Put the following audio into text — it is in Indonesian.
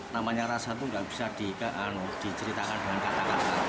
namanya rasa itu nggak bisa diceritakan dengan kata kata